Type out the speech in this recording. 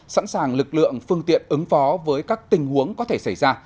sẵn sàng lực lượng phương tiện ứng phó với các tình huống có thể xảy ra